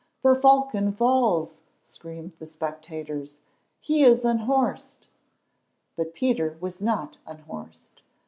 "The Falcon falls," screamed the spectators; "he is unhorsed." But Peter was not unhorsed.